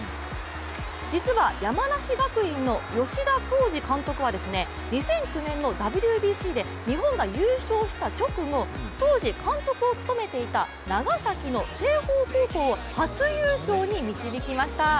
実は山梨学院の吉田洸二監督は、２００９年のＷＢＣで日本が優勝した直後当時、監督を務めていた長崎の清峰高校を初優勝に導きました。